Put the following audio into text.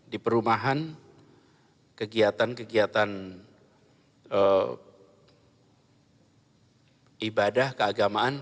di perumahan kegiatan kegiatan ibadah keagamaan